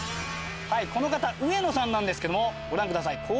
はいこの方上野さんなんですけどもご覧ください。